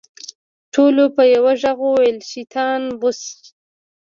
ټولو په يوه ږغ وويل شيطان بوش.